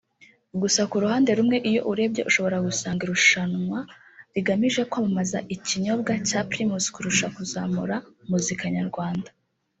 Gusa ku ruhande rumwe iyo urebye ushobora gusanga irushanwa rigamije kwamamaza ikinyobwa cya Primus kurusha kuzamura muzika nyarwanda